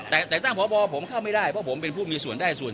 แต่แต่งตั้งพบผมเข้าไม่ได้เพราะผมเป็นผู้มีส่วนได้ส่วน